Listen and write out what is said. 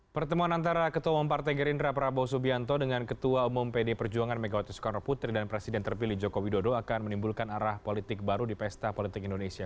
pertemuan antara ketua umum partai gerindra prabowo subianto dengan ketua umum pd perjuangan megawati soekarno putri dan presiden terpilih joko widodo akan menimbulkan arah politik baru di pesta politik indonesia